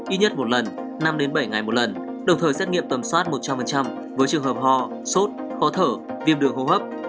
ít nhất một lần năm bảy ngày một lần đồng thời xét nghiệm tầm soát một trăm linh với trường hợp ho sốt khó thở viêm đường hô hấp